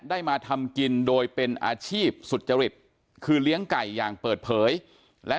มาทำกินโดยเป็นอาชีพสุจริตคือเลี้ยงไก่อย่างเปิดเผยและ